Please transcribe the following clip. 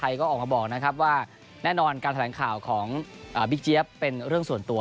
ก็ออกมาบอกนะครับว่าแน่นอนการแถลงข่าวของบิ๊กเจี๊ยบเป็นเรื่องส่วนตัว